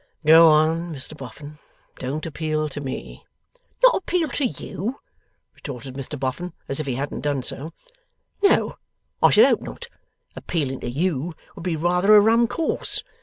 'Go on, Mr Boffin; don't appeal to me.' 'Not appeal to YOU,' retorted Mr Boffin as if he hadn't done so. 'No, I should hope not! Appealing to YOU, would be rather a rum course.